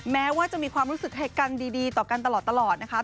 แม้ว่าจะมีความรู้สึกให้กันดีต่อกันตลอดนะคะ